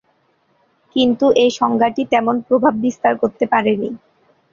কিন্তু এ সংজ্ঞাটি তেমন প্রভাব বিস্তার করতে পারেনি।